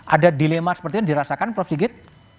ada dilema seperti yang dirasakan prof sigit